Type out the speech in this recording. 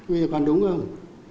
bây giờ còn đúng không